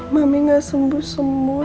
mami gak sembuh sembuh